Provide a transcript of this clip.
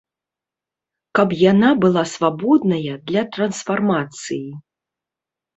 Каб яна была свабодная для трансфармацыі.